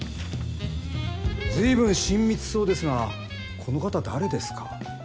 ずいぶん親密そうですがこの方誰ですか？